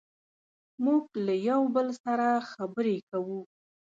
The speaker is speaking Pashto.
موږ له یو بل سره خبرې کوو.